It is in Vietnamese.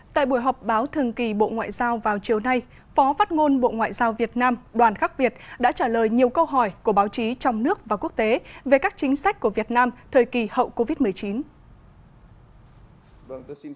tại buổi họp báo thường kỳ bộ ngoại giao vào chiều nay phó phát ngôn bộ ngoại giao việt nam đoàn khắc việt đã trả lời nhiều câu hỏi của báo chí trong nước và quốc tế về các chính sách của việt nam thời kỳ hậu covid một mươi chín